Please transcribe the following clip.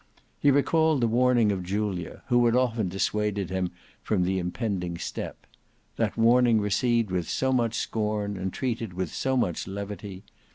He recalled the warning of Julia, who had often dissuaded him from the impending step; that warning received with so much scorn and treated with so much levity.